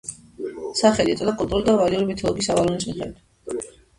სახელი ეწოდა კელტური და ვალიური მითოლოგიის ავალონის მიხედვით.